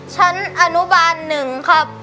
ชั้นอนุบาล๑ครับ